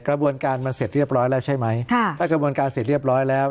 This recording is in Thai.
กระบวนการมันเสร็จเรียบร้อยแล้วใช่ไหมค่ะถ้ากระบวนการเสร็จเรียบร้อยแล้ว